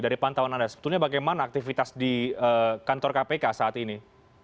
dari pantauan anda sebetulnya bagaimana aktivitas di kantor kpk saat ini